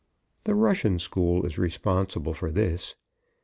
The Russian school is responsible for this.